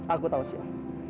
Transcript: aku tau aisyah